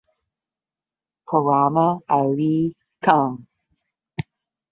Keramat Ali Tang.